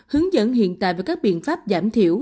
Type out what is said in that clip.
hướng dẫn hiện tại và các biện pháp giảm thiểu